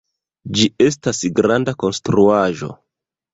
Ĝi estas granda konstruaĵo